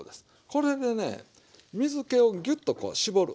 これでね水けをギュッとこう絞る。